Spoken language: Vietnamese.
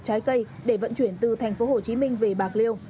trái cây để vận chuyển từ thành phố hồ chí minh về bạc liêu